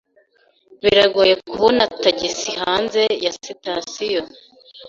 Biragoye kubona tagisi hanze ya sitasiyo.